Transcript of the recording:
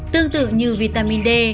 tương tự như vitamin d